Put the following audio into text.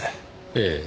ええ。